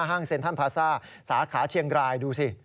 ฮ่างเซ็ทั่นพาร์ซ่าสาขาเชียงกรายดูสิ